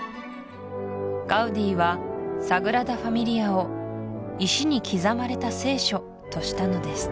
ガウディはサグラダ・ファミリアを石に刻まれた聖書としたのです